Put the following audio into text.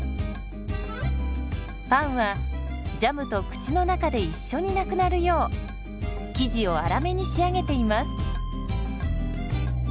パンはジャムと口の中で一緒になくなるよう生地を粗めに仕上げています。